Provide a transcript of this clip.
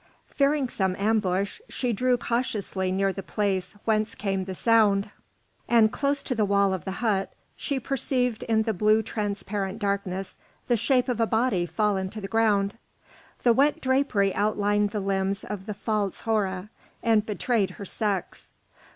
Fearing some ambush, she drew cautiously near the place whence came the sound, and close to the wall of the hut she perceived in the blue transparent darkness the shape of a body fallen to the ground. The wet drapery outlined the limbs of the false Hora and betrayed her sex.